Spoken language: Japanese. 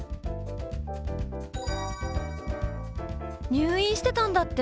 入院してたんだって？